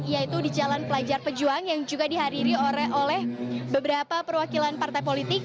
yaitu di jalan pelajar pejuang yang juga dihadiri oleh beberapa perwakilan partai politik